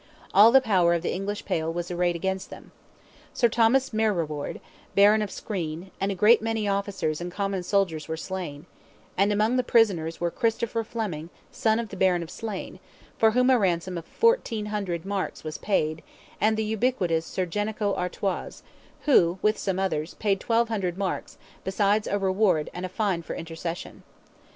All the power of the English Pale was arrayed against them. Sir Thomas Mereward, Baron of Screen, "and a great many officers and common soldiers were slain," and among the prisoners were Christopher Fleming, son of the Baron of Slane, for whom a ransom of 1,400 marks was paid, and the ubiquitous Sir Jenico d'Artois, who, with some others, paid "twelve hundred marks, beside a reward and fine for intercession."